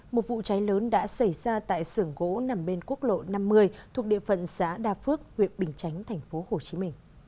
một vụ cháy lớn đã xảy ra tại sưởng gỗ nằm bên quốc lộ năm mươi thuộc địa phận xã đa phước huyện bình chánh tp hcm